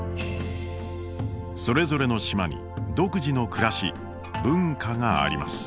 それぞれの島に独自の暮らし文化があります。